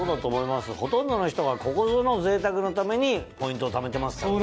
ほとんどの人がここぞの贅沢のためにポイントをためてますからね。